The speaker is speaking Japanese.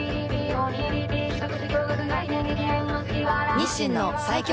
日清の最強